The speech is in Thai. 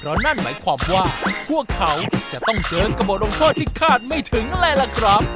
เพราะนั่นหมายความว่าพวกเขาจะต้องเจอกับบทลงโทษที่คาดไม่ถึงเลยล่ะครับ